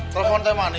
telepon teh manis